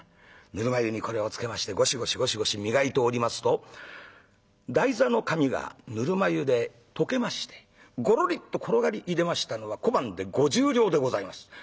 ぬるま湯にこれをつけましてゴシゴシゴシゴシ磨いておりますと台座の紙がぬるま湯で溶けましてゴロリっと転がりいでましたのは小判で５０両でございます。